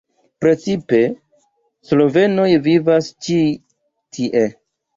Precipe slovenoj vivas ĉi tie.